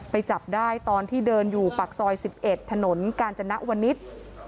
ไปจับได้ตอนที่เดินอยู่ปากซอยสิบเอ็ดถนนกาญจนะวนิจ